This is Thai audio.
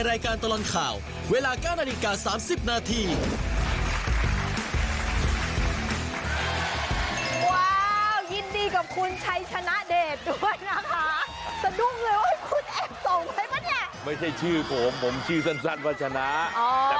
ถ้าใครไม่ได้ส่งริ้มดูกติกานท่านจาน